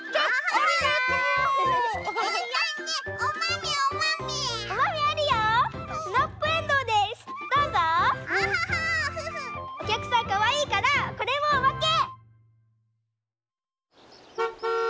おきゃくさんかわいいからこれもおまけ！